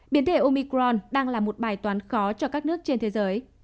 biến thể omicron đang là một bài toán khó cho các nước trên thế giới